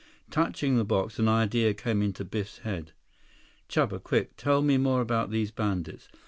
Touching the box, an idea came into Biff's head. "Chuba, quick! Tell me more about these bandits.